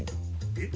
えっ？